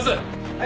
はい。